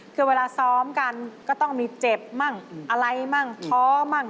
คือเวลาซ้อมกันก็ต้องมีเจ็บมั่งอะไรมั่งท้อมั่ง